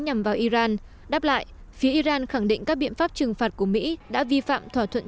nhằm vào iran đáp lại phía iran khẳng định các biện pháp trừng phạt của mỹ đã vi phạm thỏa thuận